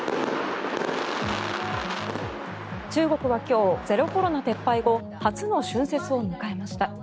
中国は今日ゼロコロナ撤廃後初の春節を迎えました。